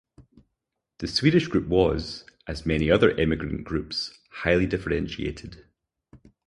The Swedish group was, as many other emigrant groups, highly differentiated.